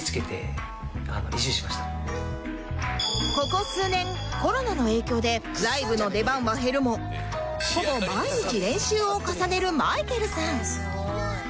ここ数年コロナの影響でライブの出番は減るもほぼ毎日練習を重ねるまいけるさん